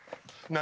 何？